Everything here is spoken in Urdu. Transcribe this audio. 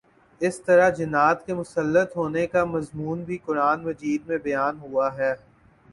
اسی طرح جنات کے مسلط ہونے کا مضمون بھی قرآنِ مجید میں بیان ہوا ہے